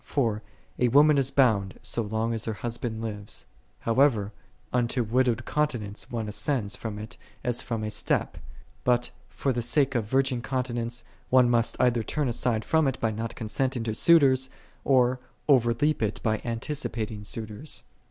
For, " a woman is bound, so long as her husband liveth."5 How ever unto widowed continence one ascends from it as from a step: but for the sake of virgin continence, one must either turn aside from it by not consenting to suitors, or over leap it by anticipating suitors.